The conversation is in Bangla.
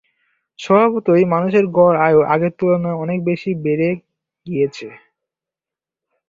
স্বভাবতই মানুষের গড় আয়ু আগের তুলনায় অনেক বেশি বেড়ে গিয়েছে।